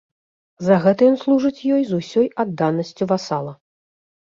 За гэта ён служыць ёй з усёй адданасцю васала.